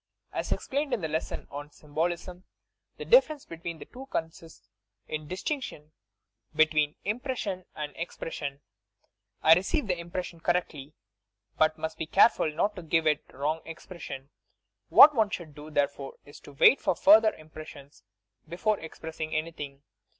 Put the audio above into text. "As explained in the lesson on 'Symbolism,' the dif ference between the two consists in distinction between impression and expression. I receive the impression eor rectly but must be careful not to give it wrong expression. What one should do, therefore, is to wait for further im pressions before expressing anything.